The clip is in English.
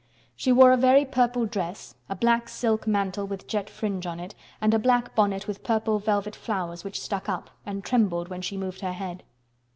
She wore a very purple dress, a black silk mantle with jet fringe on it and a black bonnet with purple velvet flowers which stuck up and trembled when she moved her head.